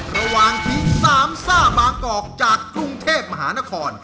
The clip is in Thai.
ระหว่างทีมสามซ่าบางกอกจากกรุงเทพมหานคร